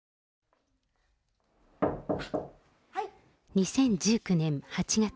２０１９年８月。